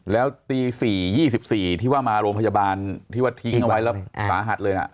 แล้วตี๔๒๔ที่ว่ามาโรงพยาบาลที่ว่าทิ้งเอาไว้แล้วสาหัสเลยนะ